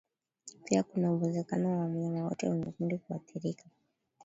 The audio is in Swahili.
Pia kuna uwezekano wa wanyama wote kwenye kundi kuathirika